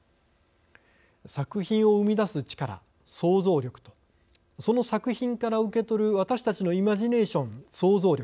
作品を生み出す力、創造力とその作品から受けとる私たちのイマジネーション想像力。